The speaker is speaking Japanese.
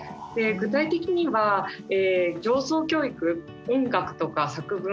具体的には情操教育音楽とか作文